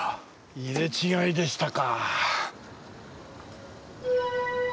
入れ違いでしたか。